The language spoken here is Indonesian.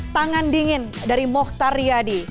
tangan dingin dari mohtar yadi